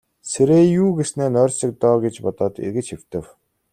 Сэрээе юү гэснээ нойрсог доо гэж бодоод эргэж хэвтэв.